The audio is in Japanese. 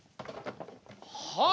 はい。